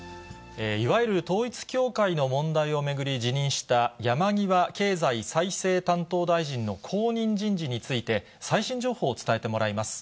いわゆる統一教会の問題を巡り、辞任した山際経済再生担当大臣の後任人事について、最新情報を伝えてもらいます。